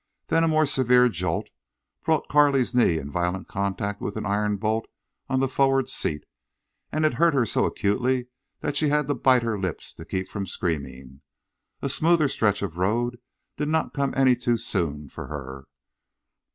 Then a more severe jolt brought Carley's knee in violent contact with an iron bolt on the forward seat, and it hurt her so acutely that she had to bite her lips to keep from screaming. A smoother stretch of road did not come any too soon for her.